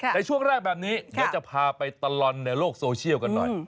ในช่วงแรกแบบนี้เดี๋ยวจะพาไปตลอดในโลกโซเชียลกันหน่อย